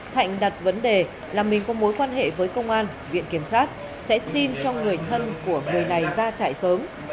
thạnh đặt vấn đề là mình có mối quan hệ với công an viện kiểm sát sẽ xin cho người thân của người này ra chạy sớm